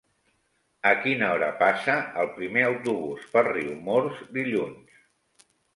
A quina hora passa el primer autobús per Riumors dilluns?